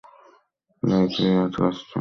Lack-beard, কাজটা কি তুই করেছিস?